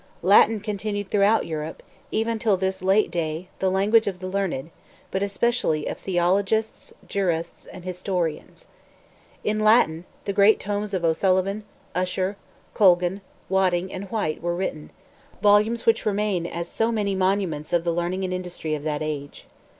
Latin continued throughout Europe, even till this late day, the language of the learned, but especially of theologians, jurists, and historians. In Latin, the great tomes of O'Sullivan, Usher, Colgan, Wadding, and White, were written—volumes which remain as so many monuments of the learning and industry of that age.